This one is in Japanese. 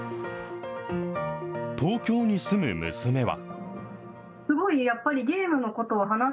東京に住む娘は。